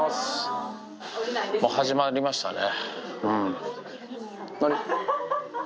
始まりましたね。